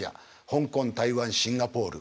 香港台湾シンガポール。